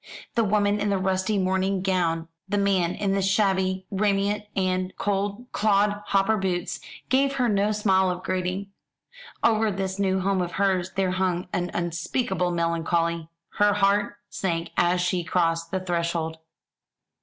The woman in the rusty mourning gown, the man in the shabby raiment and clod hopper boots, gave her no smile of greeting. Over this new home of hers there hung an unspeakable melancholy. Her heart sank as she crossed the threshold.